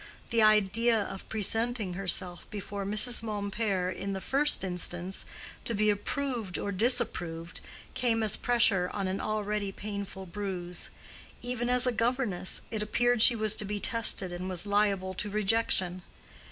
The idea of presenting herself before Mrs. Mompert in the first instance, to be approved or disapproved, came as pressure on an already painful bruise; even as a governess, it appeared she was to be tested and was liable to rejection.